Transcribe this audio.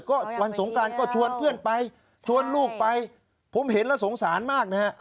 ก็วันสงการก็ชวนเพื่อนไปชวนลูกไปผมเห็นแล้วสงสารมากนะฮะ